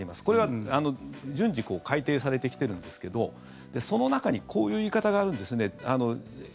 これは順次改定されてきているんですけどその中にこういう言い方があるんですね。